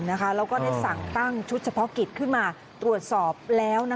แล้วก็ได้สั่งตั้งชุดเฉพาะกิจขึ้นมาตรวจสอบแล้ว